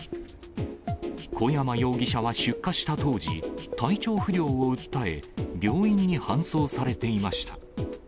小山容疑者は出火した当時、体調不良を訴え、病院に搬送されていました。